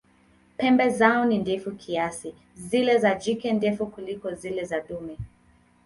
Pembe zao ni ndefu kiasi, zile za jike ndefu kuliko zile za dume.